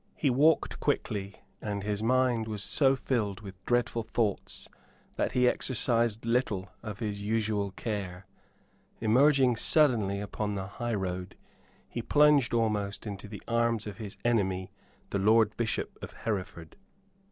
He walked quickly, and his mind was so filled with dreadful thoughts that he exercised little of his usual care. Emerging suddenly upon the high road, he plunged almost into the arms of his enemy, the Lord Bishop of Hereford.